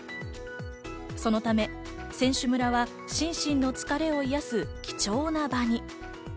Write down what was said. そのため選手村は心身の疲れを癒す貴重な場に。